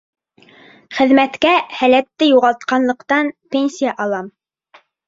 Хеҙмәткә һәләтте юғалтҡанлыҡтан пенсия алам.